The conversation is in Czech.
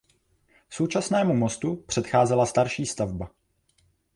Současnému mostu předcházela starší stavba.